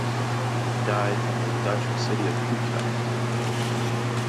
He died in the Dutch city of Utrecht.